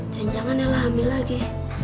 dan jangan ella hamil lagi